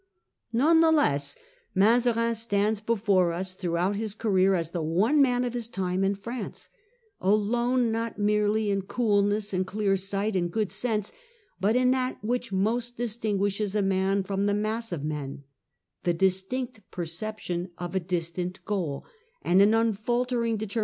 * None the less Mazarin stands before us throughout his career as the one man of his time in France ; alone not merely in coolness and clear sight and good sense, but in that which most dis tinguishes a man from the mass of men, the distinct perception of a distant goal, and an unfaltering deter MM, C ^5 l&Q 1 8 Prelude to the Fronde. 1643.